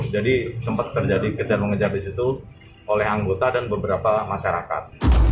jadi sempat terjadi kejar mengejar di situ oleh anggota dan beberapa masyarakat